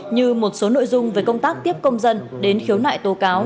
như một số nội dung về công tác tiếp công dân đến khiếu nại tô cát